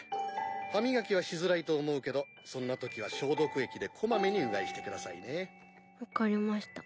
歯磨きはしづらいと思うけどそんな時は消毒液でこまめにうがいして下さいね。わかりました。